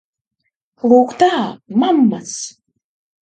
Lūk tā, mammas!